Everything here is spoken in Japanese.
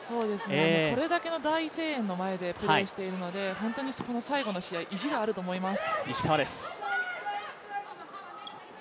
これだけの大声援の前でプレーしているので本当に、この最後の試合意地があると思います。